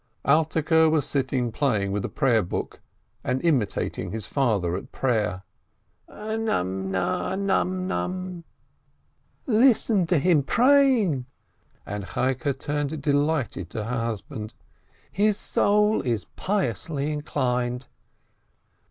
Alterke was sitting playing with a prayer book and imitating his father at prayer, "A num num — a num num." "Listen to him praying !" and Cheike turned delight edly to her husband. "His soul is piously inclined